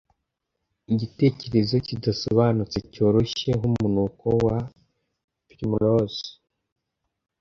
Igitekerezo kidasobanutse cyoroshye nkumunuko wa primrose